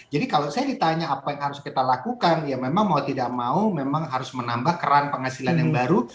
jadi kalau saya ditanya apa yang harus kita lakukan ya memang mau tidak mau memang harus menambah keran penghasilan yang baru